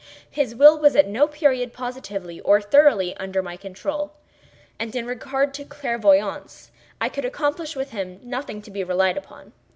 His will was at no period positively, or thoroughly, under my control, and in regard to clairvoyance, I could accomplish with him nothing to be relied upon.